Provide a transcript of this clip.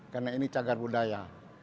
karena ini cagar budaya